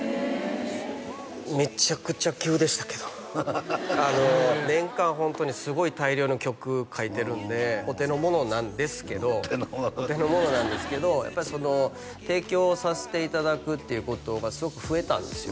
めちゃくちゃ急でしたけど年間ホントにすごい大量の曲書いてるんでお手の物なんですけどお手の物なんですけどやっぱり提供させていただくっていうことがすごく増えたんですよ